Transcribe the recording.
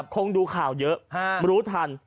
คงดูข่าวเยอะรู้ทัน